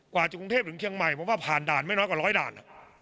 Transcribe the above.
กว่าจะกรุงเทพถึงเชียงใหม่ผมว่าผ่านด่านไม่น้อยกว่าร้อยด่าน